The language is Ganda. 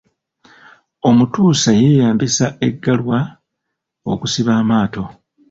Omutuusa yeeyambisa Eggalwa okusiba amaato.